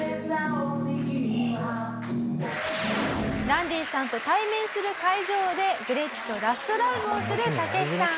「ランディさんと対面する会場でグレッチとラストライブをするタケシさん」